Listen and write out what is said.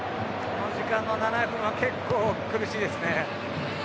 この時間の７分は結構苦しいですね。